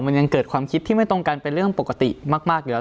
มันยังเกิดความคิดที่ไม่ตรงกันเป็นเรื่องปกติมากอยู่แล้ว